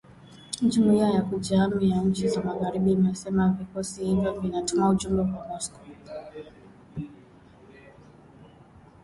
jumuiya ya kujihami ya nchi za magharibi imesema vikosi hivyo vinatuma ujumbe kwa Moscow